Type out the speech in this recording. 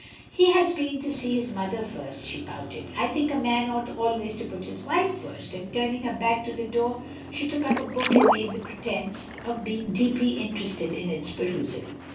"He has been to see his mother first," she pouted. "I think a man ought always to put his wife first." And turning her back to the door, she took up a book and made a pretence of being deeply interested in its perusal.